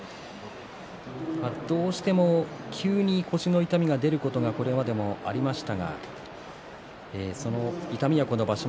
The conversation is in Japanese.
どうしても急に腰の痛みが出ることはこれまでもありましたがその痛みは場所